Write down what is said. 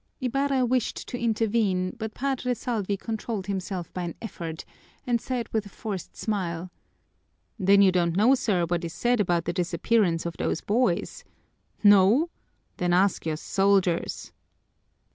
Ibarra wished to intervene, but Padre Salvi controlled himself by an effort and said with a forced smile, "Then you don't know, sir, what is said about the disappearance of those boys? No? Then ask your soldiers!"